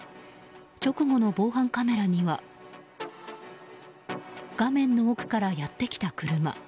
直後の防犯カメラには画面の奥からやってきた車。